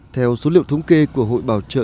theo số liệu thống kê của hội bảo trợ